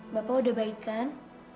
bapak udah baik kan